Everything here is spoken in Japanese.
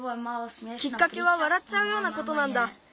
きっかけはわらっちゃうようなことなんだ。